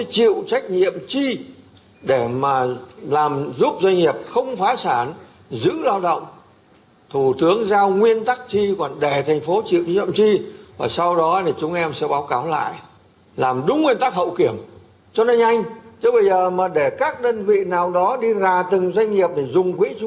chứ bây giờ mà để các đơn vị nào đó đi ra từng doanh nghiệp để dùng quỹ trung ương không làm nổi đúng không ạ